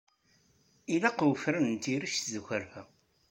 Ilaq wefran n tirect d ukerfa.